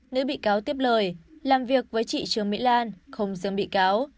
nữ bị cáo tiếp lời làm việc với chị trường mỹ lan không dường bị cáo